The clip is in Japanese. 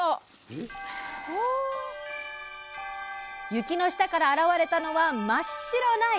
雪の下から現れたのは真っ白な野菜。